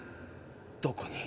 どこに？